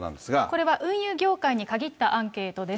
これは運輸業界に限ったアンケートです。